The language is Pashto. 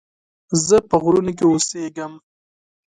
زه په غرونو کې اوسيږم